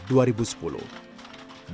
dulu ada dua puluh ibu yang menenun